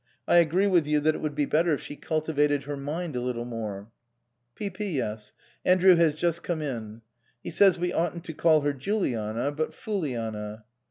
I agree with you that it would be better if she cultivated her mind a little more. " P.P.S. Andrew has just come in. He says we oughtn't to call her Juliana, but Fooliana."